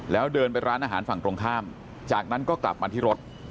แล้วเดินไปร้านอาหารฝั่งตรงข้ามจากนั้นก็กลับมาที่รถ